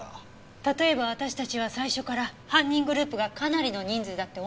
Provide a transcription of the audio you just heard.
例えば私たちは最初から犯人グループがかなりの人数だって思い込まされていたとしたら。